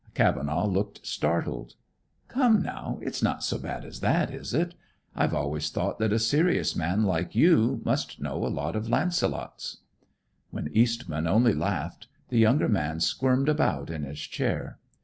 Cavenaugh looked startled. "Come now, it's not so bad as that, is it? I've always thought that a serious man, like you, must know a lot of Launcelots." When Eastman only laughed, the younger man squirmed about in his chair.